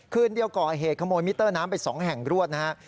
คืนเดียวก่อเหตุขโมยมิเตอร์น้ำไป๒แห่งรวดนะฮะ